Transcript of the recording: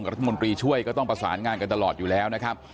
กับรัชมนตรีช่วยก็ต้องประสานงานกันดรอดอยู่แล้ว